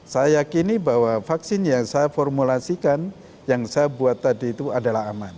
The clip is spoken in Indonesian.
saya yakini bahwa vaksin yang saya formulasikan yang saya buat tadi itu adalah aman